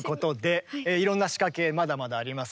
いろんなしかけまだまだあります。